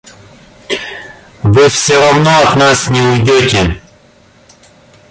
Вы всё равно от нас не уйдёте!